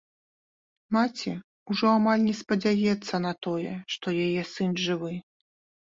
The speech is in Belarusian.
Маці ўжо амаль не спадзяецца на тое, што яе сын жывы.